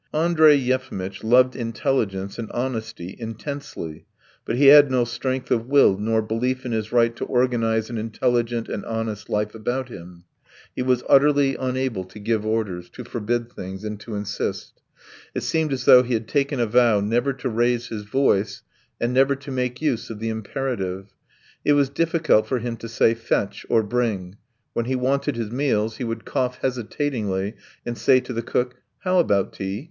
Andrey Yefimitch loved intelligence and honesty intensely, but he had no strength of will nor belief in his right to organize an intelligent and honest life about him. He was absolutely unable to give orders, to forbid things, and to insist. It seemed as though he had taken a vow never to raise his voice and never to make use of the imperative. It was difficult for him to say "Fetch" or "Bring"; when he wanted his meals he would cough hesitatingly and say to the cook, "How about tea?.